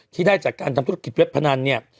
ที่ได้จากการทำธุรกิจเว็บพนันเนี่ย